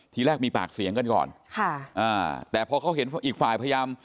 ทีแรกมีปากเสียงกันก่อนค่ะอ่าแต่พอเขาเห็นอีกฝ่ายพยายาม